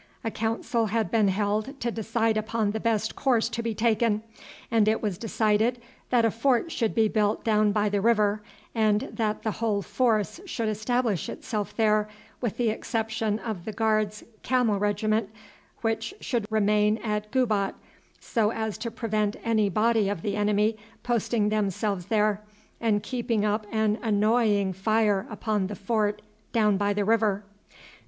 A council had been held to decide upon the best course to be taken, and it was decided that a fort should be built down by the river, and that the whole force should establish itself there with the exception of the Guards' Camel Regiment, which should remain at Gubat so as to prevent any body of the enemy posting themselves there and keeping up an annoying fire upon the fort down by the river.